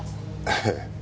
ええ。